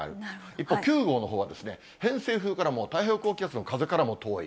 一方、９号のほうはですね、偏西風からも太平洋高気圧の風からも遠い。